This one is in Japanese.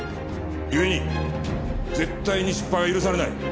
故に絶対に失敗は許されない。